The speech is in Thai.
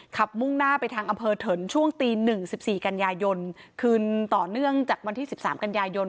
มุ่งหน้าไปทางอำเภอเถินช่วงตี๑๑๔กันยายนคืนต่อเนื่องจากวันที่๑๓กันยายน